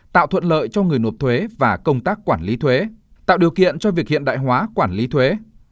tạo thuận lợi cho người nộp thuế và công tác quản lý thuế tạo điều kiện cho việc hiện đại hóa quản lý thuế